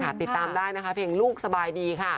ติดตามได้นะคะเพลงลูกสบายดีค่ะ